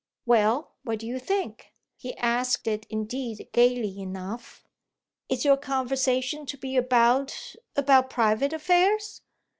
"Well, what do you think?" He asked it indeed gaily enough. "Is your conversation to be about about private affairs?"